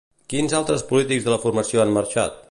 Quins altres polítics de la formació han marxat?